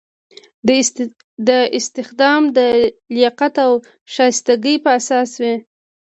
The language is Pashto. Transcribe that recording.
دا استخدام د لیاقت او شایستګۍ په اساس وي.